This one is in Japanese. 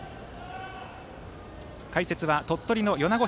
解説は鳥取の米子